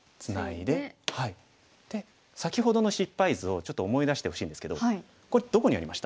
で先ほどの失敗図をちょっと思い出してほしいんですけどこれどこにありました？